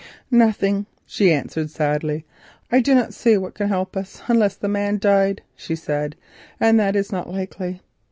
"Nothing," she answered sadly. "I do not see what can help us, unless the man died," she said; "and that is not likely.